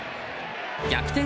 逆転